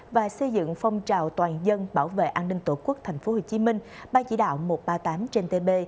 và xây dựng phong trào toàn dân bảo vệ an ninh tổ quốc tp hcm ban chỉ đạo một trăm ba mươi tám trên tb